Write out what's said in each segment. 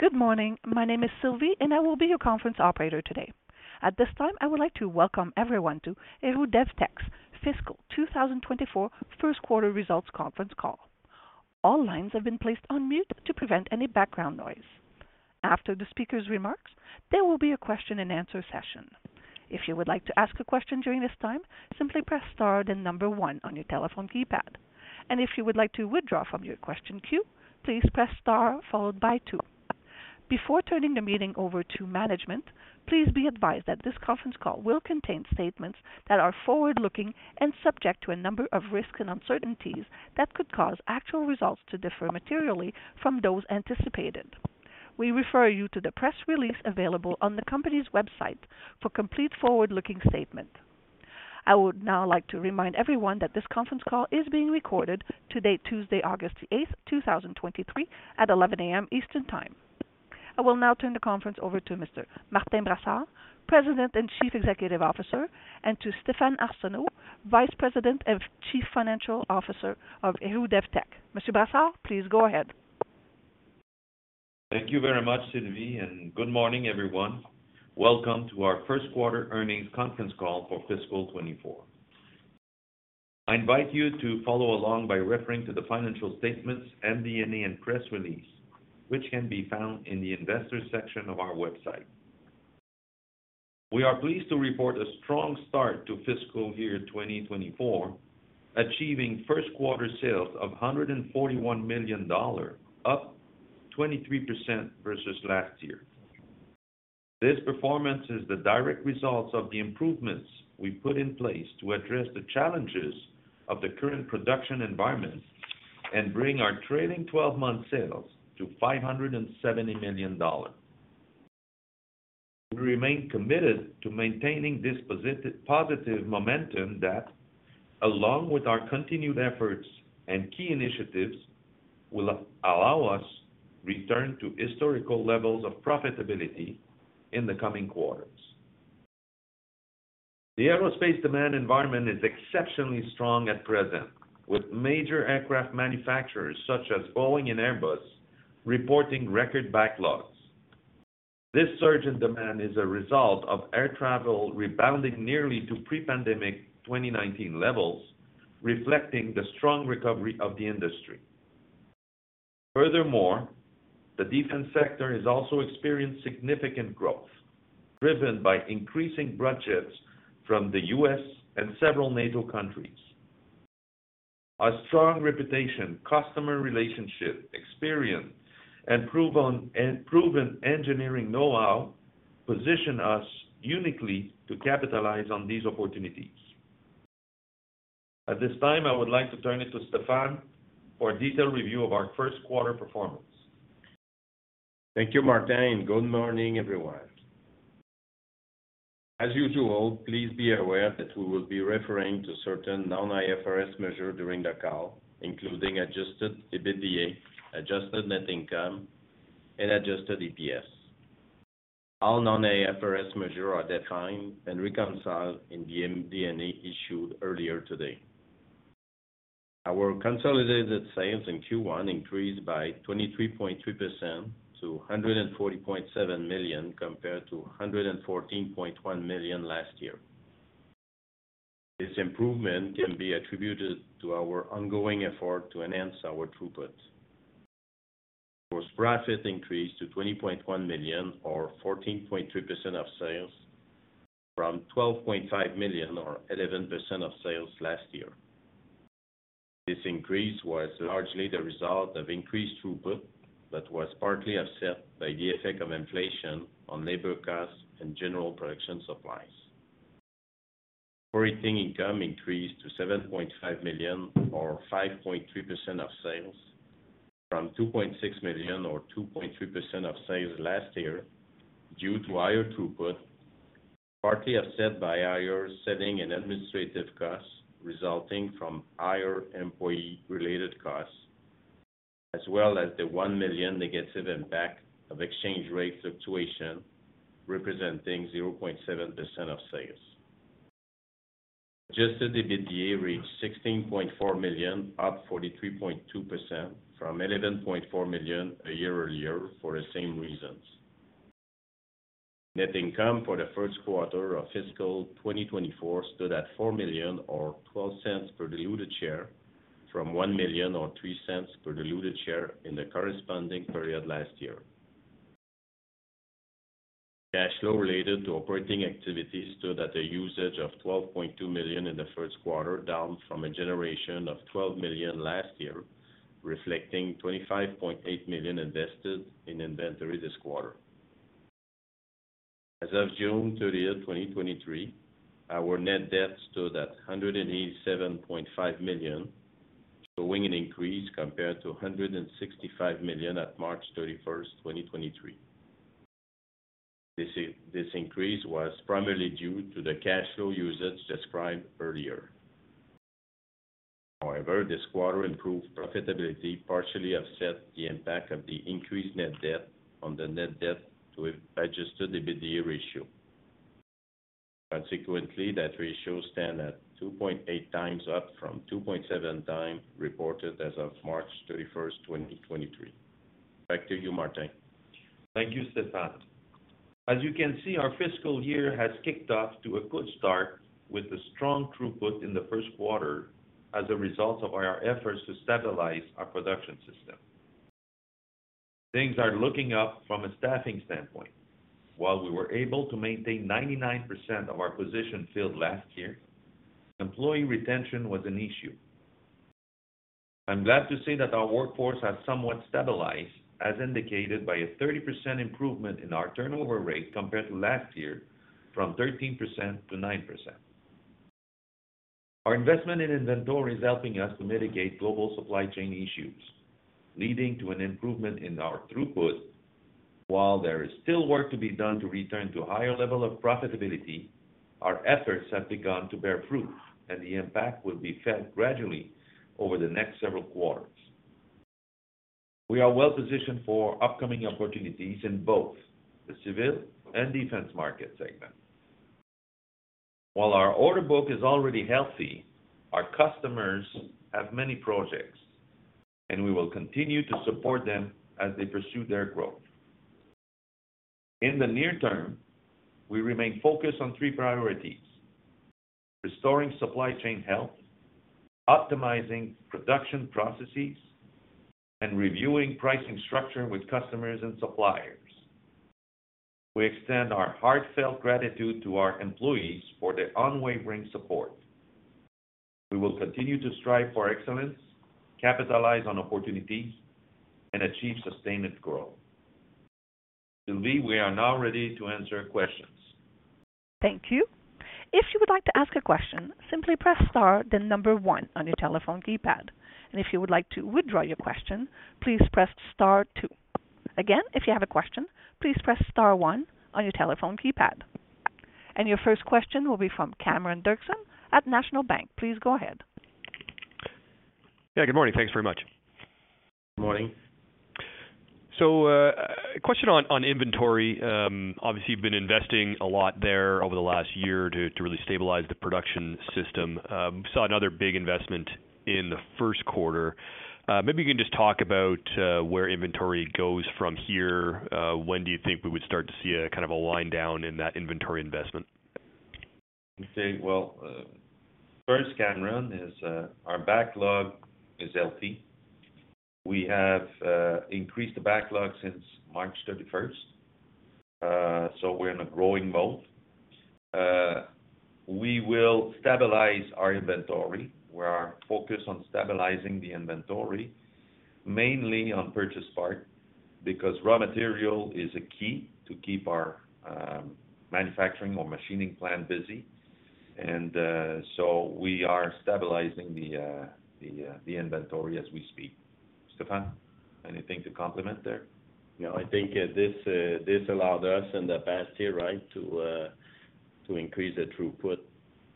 Good morning. My name is Sylvie. I will be your conference operator today. At this time, I would like to welcome everyone to Héroux-Devtek's Fiscal 2024 First Quarter Results Conference Call. All lines have been placed on mute to prevent any background noise. After the speaker's remarks, there will be a question-and-answer session. If you would like to ask a question during this time, simply press star, then one on your telephone keypad. If you would like to withdraw from your question queue, please press star followed by two. Before turning the meeting over to management, please be advised that this conference call will contain statements that are forward-looking and subject to a number of risks and uncertainties that could cause actual results to differ materially from those anticipated. We refer you to the press release available on the company's website for complete forward-looking statement. I would now like to remind everyone that this conference call is being recorded today, Tuesday, August 8th, 2023 at 11:00 A.M. Eastern Time. I will now turn the conference over to Mr. Martin Brassard, President and Chief Executive Officer, and to Stéphane Arsenault, Vice President and Chief Financial Officer of Héroux-Devtek. Mr. Brassard, please go ahead. Thank you very much, Sylvie, and good morning, everyone. Welcome to our first quarter earnings conference call for fiscal 2024. I invite you to follow along by referring to the financial statements MD&A press release, which can be found in the investors section of our website. We are pleased to report a strong start to fiscal year 2024, achieving first quarter sales of $141 million, up 23% versus last year. This performance is the direct results of the improvements we put in place to address the challenges of the current production environment and bring our trailing twelve-month sales to $570 million. We remain committed to maintaining this positive momentum that, along with our continued efforts and key initiatives, will allow us return to historical levels of profitability in the coming quarters. The aerospace demand environment is exceptionally strong at present, with major aircraft manufacturers, such as Boeing and Airbus, reporting record backlogs. This surge in demand is a result of air travel rebounding nearly to pre-pandemic 2019 levels, reflecting the strong recovery of the industry. Furthermore, the defense sector has also experienced significant growth, driven by increasing budgets from the U.S. and several NATO countries. Our strong reputation, customer relationship, experience, and proven engineering know-how position us uniquely to capitalize on these opportunities. At this time, I would like to turn it to Stéphane for a detailed review of our first quarter performance. Thank you, Martin. Good morning, everyone. As usual, please be aware that we will be referring to certain non-IFRS measures during the call, including adjusted EBITDA, adjusted net income, and adjusted EPS. All non-IFRS measures are defined and reconciled in the MD&A issued earlier today. Our consolidated sales in Q1 increased by 23.3% to 140.7 million, compared to 114.1 million last year. This improvement can be attributed to our ongoing effort to enhance our throughput. Gross profit increased to 20.1 million, or 14.3% of sales, from 12.5 million or 11% of sales last year. This increase was largely the result of increased throughput, but was partly offset by the effect of inflation on labor costs and general production supplies. Operating income increased to 7.5 million, or 5.3% of sales, from 2.6 million or 2.3% of sales last year, due to higher throughput, partly offset by higher selling and administrative costs, resulting from higher employee-related costs, as well as the 1 million negative impact of exchange rate fluctuation, representing 0.7% of sales. Adjusted EBITDA reached 16.4 million, up 43.2% from 11.4 million a year earlier for the same reasons. Net income for the first quarter of fiscal 2024 stood at 4 million, or 0.12 per diluted share, from 1 million, or 0.03 per diluted share in the corresponding period last year. Cash flow related to operating activities stood at a usage of 12.2 million in the first quarter, down from a generation of 12 million last year, reflecting 25.8 million invested in inventory this quarter. As of June 30, 2023, our net debt stood at 187.5 million, showing an increase compared to 165 million at March 31, 2023. This increase was primarily due to the cash flow usage described earlier. However, this quarter improved profitability partially offset the impact of the increased net debt on the net debt to adjusted EBITDA ratio. Consequently, that ratio stand at 2.8 times, up from 2.7 times reported as of March 31, 2023. Back to you, Martin. Thank you, Stéphane. As you can see, our fiscal year has kicked off to a good start with a strong throughput in the first quarter as a result of our efforts to stabilize our production system. Things are looking up from a staffing standpoint. While we were able to maintain 99% of our positions filled last year, employee retention was an issue. I'm glad to say that our workforce has somewhat stabilized, as indicated by a 30% improvement in our turnover rate compared to last year, from 13% to 9%. Our investment in inventory is helping us to mitigate global supply chain issues, leading to an improvement in our throughput. While there is still work to be done to return to a higher level of profitability, our efforts have begun to bear fruit, and the impact will be felt gradually over the next several quarters. We are well positioned for upcoming opportunities in both the civil and defense market segment. While our order book is already healthy, our customers have many projects, and we will continue to support them as they pursue their growth. In the near term, we remain focused on three priorities: restoring supply chain health, optimizing production processes, and reviewing pricing structure with customers and suppliers. We extend our heartfelt gratitude to our employees for their unwavering support. We will continue to strive for excellence, capitalize on opportunities, and achieve sustained growth. Sylvie, we are now ready to answer questions. Thank you. If you would like to ask a question, simply press star, then number one on your telephone keypad, and if you would like to withdraw your question, please press star 2. Again, if you have a question, please press star one on your telephone keypad. Your first question will be from Cameron Doerksen at National Bank. Please go ahead. Yeah, good morning. Thanks very much. Good morning. A question on, on inventory. Obviously, you've been investing a lot there over the last year to, to really stabilize the production system. We saw another big investment in the first quarter. Maybe you can just talk about where inventory goes from here. When do you think we would start to see a kind of a line down in that inventory investment? Okay. Well, first, Cameron, is, our backlog is healthy. We have increased the backlog since March 31st. We're in a growing mode. We will stabilize our inventory. We are focused on stabilizing the inventory, mainly on purchase part, because raw material is a key to keep our manufacturing or machining plant busy. We are stabilizing the, the, the inventory as we speak. Stéphane, anything to complement there? No, I think, this, this allowed us in the past year, right, to, to increase the throughput,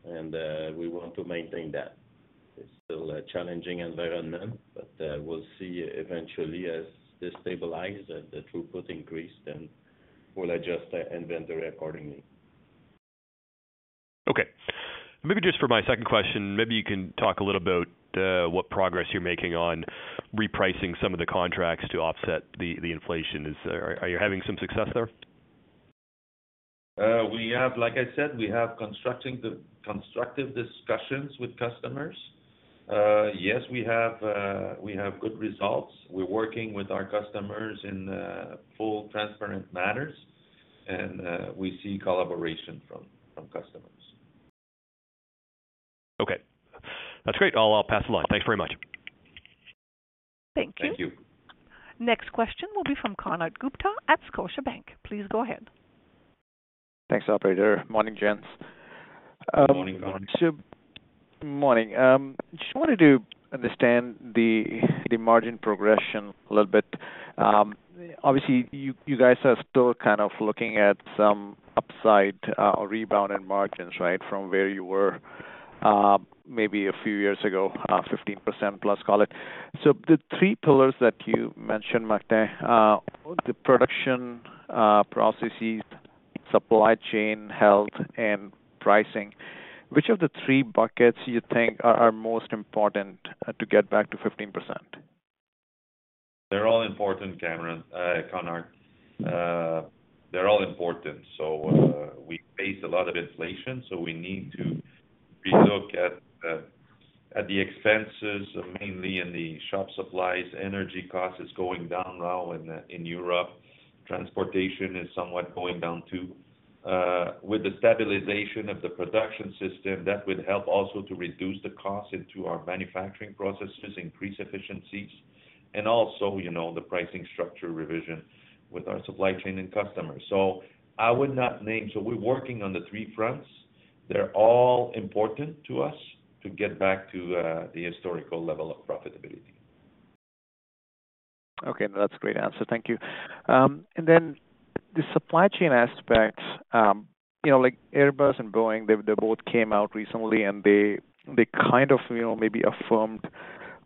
and, we want to maintain that. It's still a challenging environment, but, we'll see eventually, as this stabilize, that the throughput increase, then we'll adjust the inventory accordingly. Okay. Maybe just for my second question, maybe you can talk a little about what progress you're making on repricing some of the contracts to offset the, the inflation. Is, are you having some success there? We have like I said, we have constructive discussions with customers. Yes, we have good results. We're working with our customers in full transparent matters, and we see collaboration from customers. Okay. That's great. I'll, I'll pass along. Thanks very much. Thank you. Thank you. Next question will be from Konark Gupta at Scotiabank. Please go ahead. Thanks, operator. Morning, gents. Morning, Konark. Morning. Just wanted to understand the margin progression a little bit. Obviously, you guys are still kind of looking at some upside or rebound in margins, right? From where you were, maybe a few years ago, 15% plus, call it. The three pillars that you mentioned, Martin, the production processes, supply chain health, and pricing, which of the three buckets you think are most important to get back to 15%? They're all important, Cameron, Konark. They're all important. So, we face a lot of inflation, so we need to relook at, at the expenses, mainly in the shop supplies. Energy costs is going down now in, in Europe. Transportation is somewhat going down, too. With the stabilization of the production system, that would help also to reduce the cost into our manufacturing processes, increase efficiencies, and also, you know, the pricing structure revision with our supply chain and customers. I would not name... We're working on the three fronts. They're all important to us to get back to, the historical level of profitability. Okay, that's a great answer. Thank you. And then the supply chain aspect, you know, like Airbus and Boeing, they, they both came out recently, and they, they kind of, you know, maybe affirmed...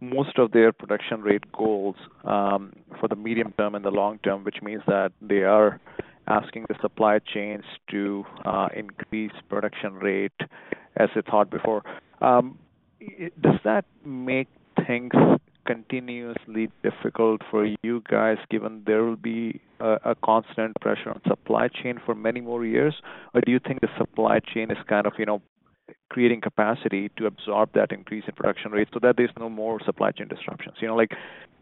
most of their production rate goals for the medium term and the long term, which means that they are asking the supply chains to increase production rate as I thought before. Does that make things continuously difficult for you guys, given there will be a, a constant pressure on supply chain for many more years? Or do you think the supply chain is kind of, you know, creating capacity to absorb that increase in production rate so that there's no more supply chain disruptions? You know, like,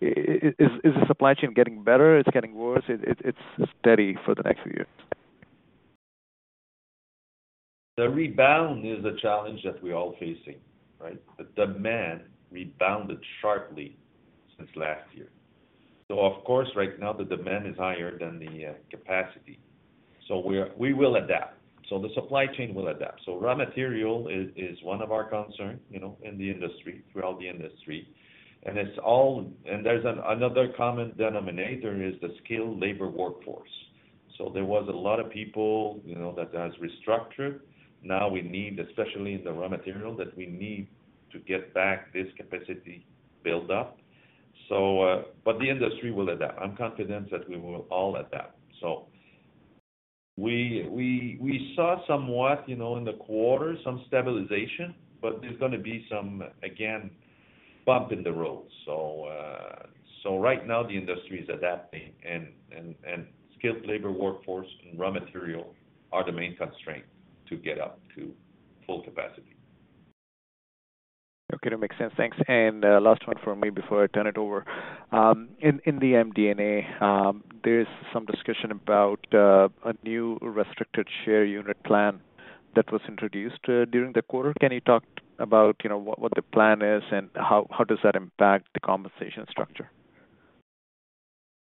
is the supply chain getting better? It's getting worse. It, it's steady for the next few years. The rebound is a challenge that we're all facing, right? The demand rebounded sharply since last year. Of course, right now the demand is higher than the capacity. We are, we will adapt. The supply chain will adapt. Raw material is, is one of our concern, you know, in the industry, throughout the industry. It's all, and there's another common denominator is the skilled labor workforce. There was a lot of people, you know, that has restructured. Now we need, especially in the raw material, that we need to get back this capacity build up. But the industry will adapt. I'm confident that we will all adapt. We, we, we saw somewhat, you know, in the quarter, some stabilization, but there's gonna be some, again, bump in the road. So right now the industry is adapting and, and, and skilled labor workforce and raw material are the main constraints to get up to full capacity. Okay, that makes sense. Thanks. Last one for me before I turn it over. In, in the MD&A, there's some discussion about, a new restricted share unit plan that was introduced, during the quarter. Can you talk about, you know, what, what the plan is and how, how does that impact the compensation structure?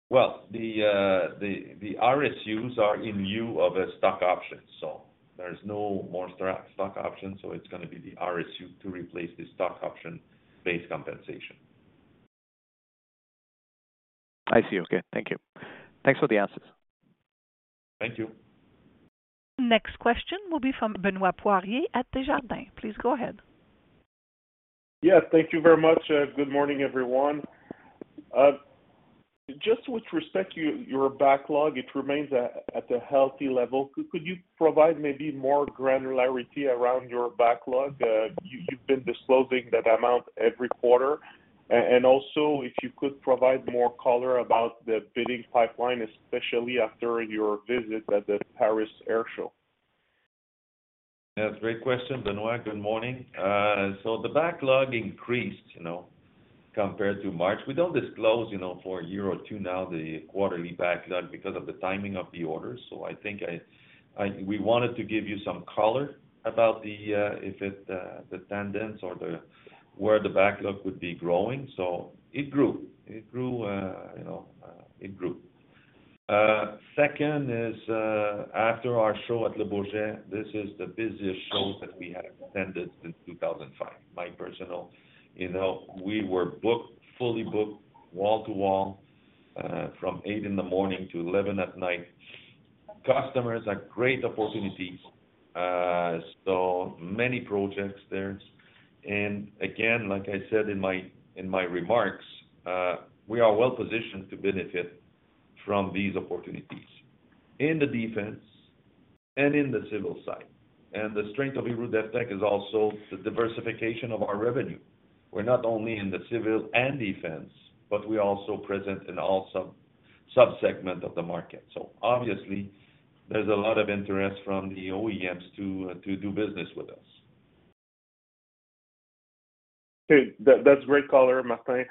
Well, the, the, the RSUs are in lieu of a stock option, so there's no more stock option. It's gonna be the RSU to replace the stock option-based compensation. I see. Okay. Thank you. Thanks for the answers. Thank you. Next question will be from Benoit Poirier at Desjardins. Please go ahead. Yeah, thank you very much. Good morning, everyone. Just with respect to your backlog, it remains at, at a healthy level. Could you provide maybe more granularity around your backlog? You've been disclosing that amount every quarter. Also, if you could provide more color about the bidding pipeline, especially after your visit at the Paris Air Show? That's a great question, Benoit. Good morning. The backlog increased, you know, compared to March. We don't disclose, you know, for a year or two now, the quarterly backlog because of the timing of the orders. I think I, I, we wanted to give you some color about the, if it, the tendons or the, where the backlog would be growing. It grew. It grew, you know, it grew. Second is, after our show at Le Bourget, this is the busiest show that we have attended since 2005. My personal, you know, we were booked, fully booked, wall-to-wall, from 8:00 A.M. -11:00 P.M. Customers are great opportunities, so many projects there. Again, like I said in my, in my remarks, we are well positioned to benefit from these opportunities in the defense and in the civil side. The strength of Héroux-Devtek is also the diversification of our revenue. We're not only in the civil and defense, but we're also present in all sub, sub-segments of the market. Obviously, there's a lot of interest from the OEMs to do business with us. Okay. That, that's great color, Martin.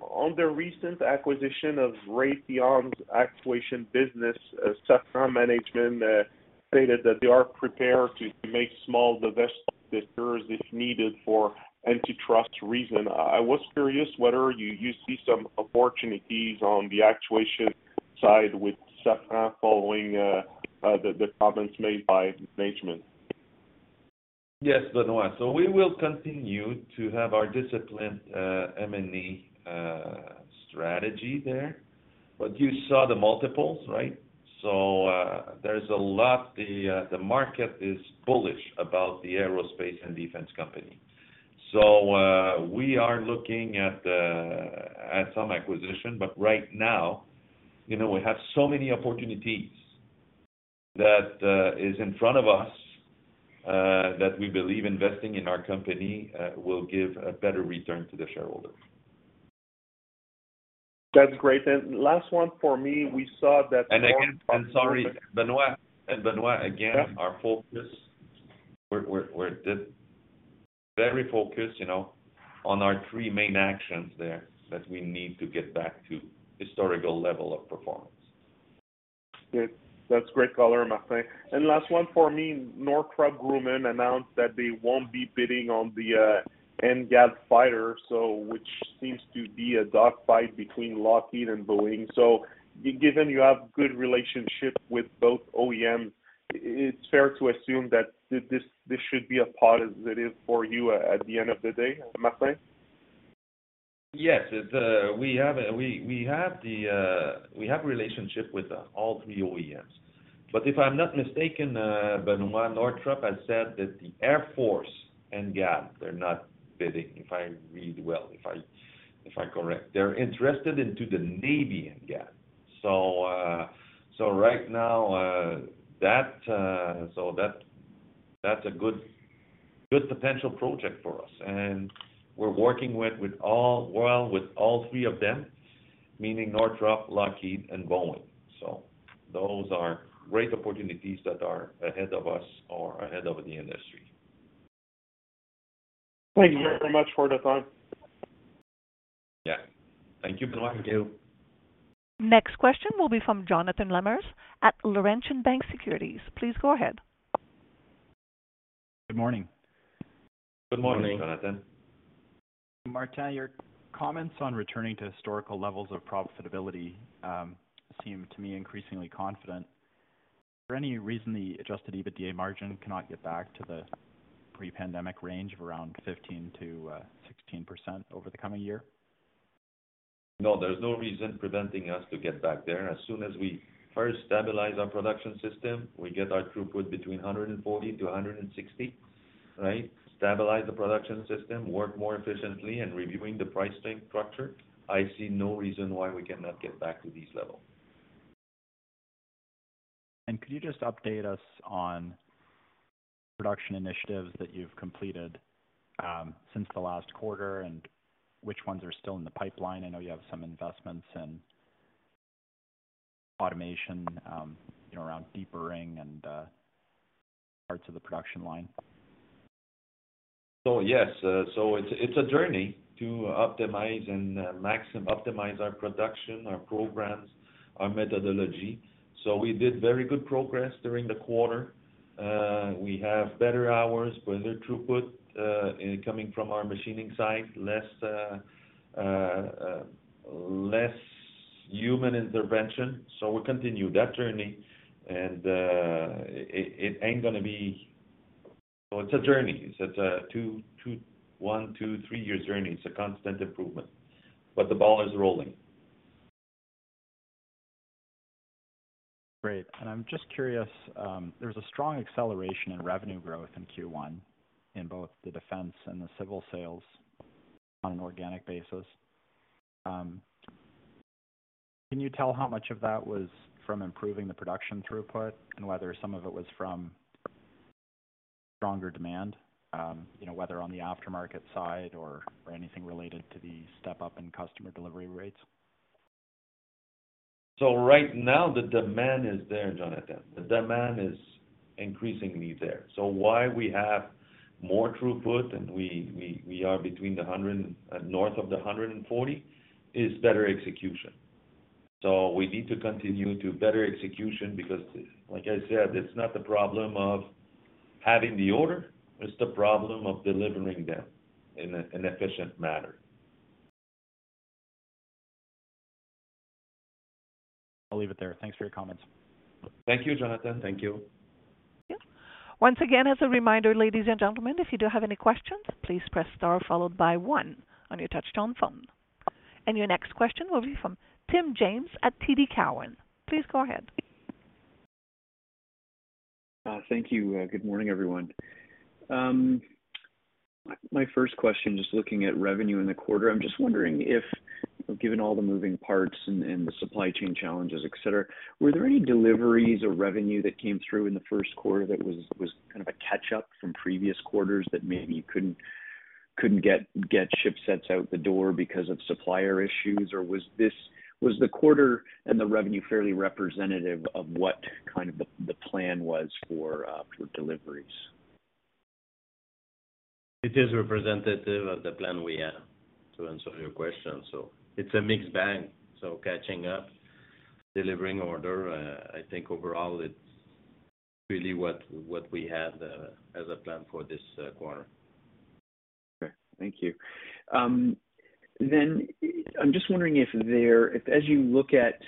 On the recent acquisition of Raytheon's Actuation business, Safran management stated that they are prepared to make small divestitures if needed for antitrust reason. I was curious whether you, you see some opportunities on the actuation side with Safran following the, the comments made by management? Yes, Benoit. We will continue to have our disciplined M&A strategy there. You saw the multiples, right? There's a lot the market is bullish about the aerospace and defense company. We are looking at some acquisition, but right now, you know, we have so many opportunities that is in front of us that we believe investing in our company will give a better return to the shareholders. That's great. last one for me, we saw that... Again, and sorry, Benoit. Benoit, again, our focus, we're, we're, we're very focused, you know, on our three main actions there, that we need to get back to historical level of performance. Good. That's great color, Martin. Last one for me. Northrop Grumman announced that they won't be bidding on the NGAD fighter, which seems to be a dogfight between Lockheed and Boeing. Given you have good relationship with both OEM, it's fair to assume that this should be a positive for you at the end of the day, Martin? Yes. It, we have, we, we have the, we have relationship with all three OEMs. If I'm not mistaken, Benoit, Northrop has said that the Air Force NGAD, they're not bidding, if I read well, if I, if I correct. They're interested into the Navy NGAD. Right now, that, that's a good, good potential project for us. We're working with, with all, well, with all three of them, meaning Northrop, Lockheed, and Boeing. Those are great opportunities that are ahead of us or ahead of the industry. Thank you very much for the time. Yeah. Thank you. Thank you. Next question will be from Jonathan Lamers at Laurentian Bank Securities. Please go ahead. Good morning. Good morning. Good morning, Jonathan. Martin, your comments on returning to historical levels of profitability, seem to me increasingly confident. Is there any reason the adjusted EBITDA margin cannot get back to the pre-pandemic range of around 15%-16% over the coming year? No, there's no reason preventing us to get back there. As soon as we first stabilize our production system, we get our throughput between 140-160, right? Stabilize the production system, work more efficiently, and reviewing the pricing structure, I see no reason why we cannot get back to this level. Could you just update us on production initiatives that you've completed, since the last quarter, and which ones are still in the pipeline? I know you have some investments in automation, you know, around deburring and parts of the production line. so it's a journey to optimize our production, our programs, our methodology. We did very good progress during the quarter. We have better hours, better throughput, in coming from our machining site, less human intervention. We continue that journey, and it ain't gonna be... It's a journey. It's a two, two, one, two, three years journey. It's a constant improvement, but the ball is rolling. Great. I'm just curious, there's a strong acceleration in revenue growth in Q1, in both the defense and the civil sales on an organic basis. Can you tell how much of that was from improving the production throughput and whether some of it was from stronger demand, you know, whether on the aftermarket side or, or anything related to the step up in customer delivery rates? Right now, the demand is there, Jonathan. The demand is increasingly there. Why we have more throughput and we are between the 100 and north of the 140, is better execution. We need to continue to better execution because, like I said, it's not the problem of having the order, it's the problem of delivering them in an efficient manner. I'll leave it there. Thanks for your comments. Thank you, Jonathan. Thank you. Once again, as a reminder, ladies and gentlemen, if you do have any questions, please press Star followed by one on your touchtone phone. Your next question will be from Tim James at TD Cowen. Please go ahead. Thank you. Good morning, everyone. My first question, just looking at revenue in the quarter, I'm just wondering if, given all the moving parts and, and the supply chain challenges, et cetera, were there any deliveries or revenue that came through in the first quarter that was, was kind of a catch up from previous quarters that maybe you couldn't, couldn't get, get ship sets out the door because of supplier issues? Or was the quarter and the revenue fairly representative of what kind of the, the plan was for deliveries? It is representative of the plan we had, to answer your question. It's a mixed bag. Catching up, delivering order, I think overall it's really what, what we had, as a plan for this, quarter. Okay, thank you. I'm just wondering as you look at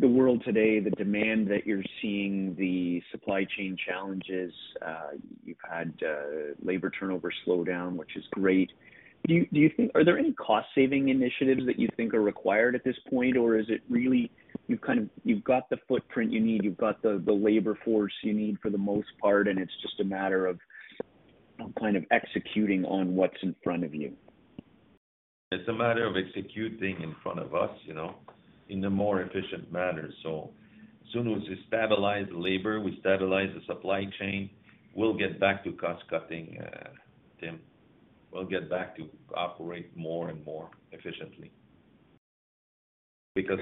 the world today, the demand that you're seeing, the supply chain challenges, you've had, labor turnover slow down, which is great. Do you think, are there any cost saving initiatives that you think are required at this point? Or is it really you've kind of, you've got the footprint you need, you've got the labor force you need for the most part, and it's just a matter of kind of executing on what's in front of you? It's a matter of executing in front of us, you know, in a more efficient manner. As soon as we stabilize the labor, we stabilize the supply chain, we'll get back to cost-cutting, Tim. We'll get back to operate more and more efficiently.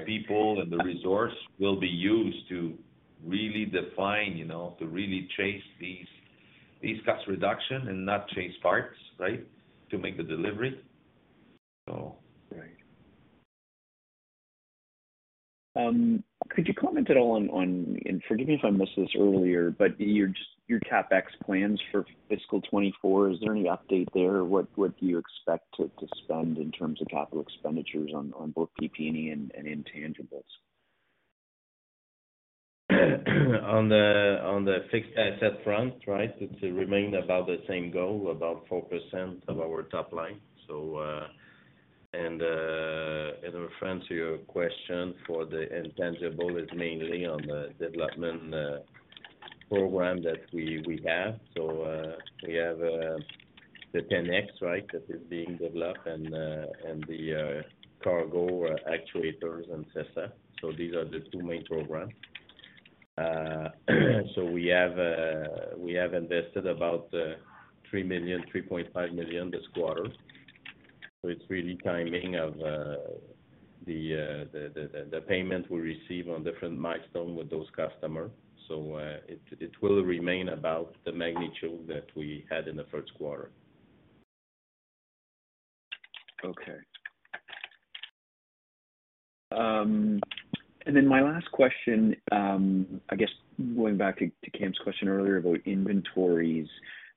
People and the resource will be used to really define, you know, to really chase these, these cost reduction and not chase parts, right, to make the delivery. Right. could you comment at all on, on, and forgive me if I missed this earlier, but your just, your CapEx plans for fiscal 2024, is there any update there? What, what do you expect to, to spend in terms of capital expenditures on, on both PP&E and, and intangibles? On the fixed asset front, right, it remain about the same goal, about 4% of our top line. ...as a reference to your question for the intangible is mainly on the development program that we have. We have the T-X, right? That is being developed and the cargo actuators and CESA. These are the two main programs. We have invested about 3 million, 3.5 million this quarter. It's really timing of the payment we receive on different milestone with those customers. It will remain about the magnitude that we had in the first quarter. Okay. My last question, I guess going back to Cam's question earlier about inventories.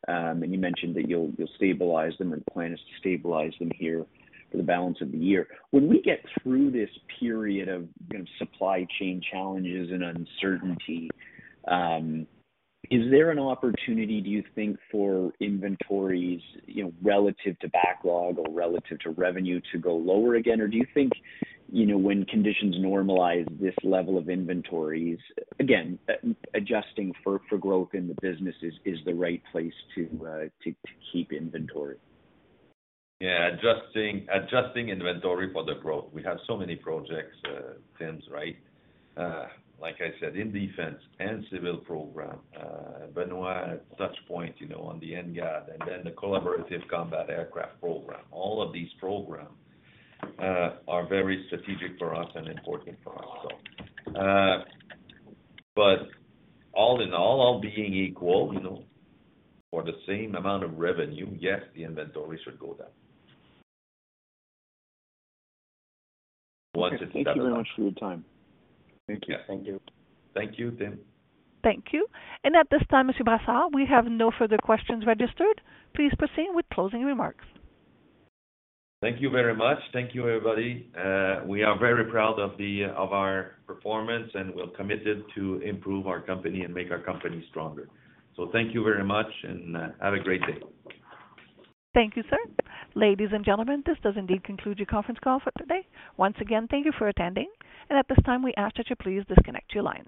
You mentioned that you'll, you'll stabilize them, the plan is to stabilize them here for the balance of the year. When we get through this period of, you know, supply chain challenges and uncertainty, is there an opportunity, do you think, for inventories, you know, relative to backlog or relative to revenue, to go lower again? Do you think, you know, when conditions normalize this level of inventories, again, adjusting for, for growth in the business is, is the right place to, to keep inventory? Yeah. Adjusting, adjusting inventory for the growth. We have so many projects, Tim, right? Like I said, in defense and civil program, Benoit, at such point, you know, on the NGAD, and then the Collaborative Combat Aircraft program. All of these programs, are very strategic for us and important for us. All in all, all being equal, you know, for the same amount of revenue, yes, the inventory should go down. Thank you very much for your time. Thank you. Thank you. Thank you, Tim. Thank you. At this time, Monsieur Brassard, we have no further questions registered. Please proceed with closing remarks. Thank you very much. Thank you, everybody. We are very proud of the of our performance, and we're committed to improve our company and make our company stronger. Thank you very much, and have a great day. Thank you, sir. Ladies and gentlemen, this does indeed conclude your conference call for today. Once again, thank you for attending, and at this time, we ask that you please disconnect your line.